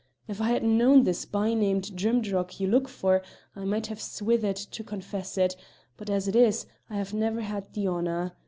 If I had known this by named Drimdarroch you look for, I might have swithered to confess it, but as it is, I have never had the honour.